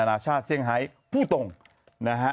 นานาศาสตร์เชี่ยงไไทยผู้ตรงนะฮะ